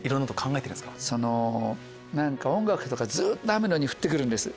何か音楽とかずっと雨のように降って来るんです。